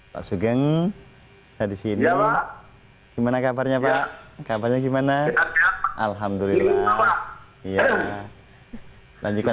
pak sugeng saya disini gimana kabarnya pak kabarnya gimana alhamdulillah ya lanjutkan